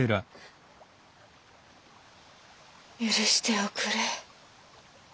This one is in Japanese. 許しておくれ。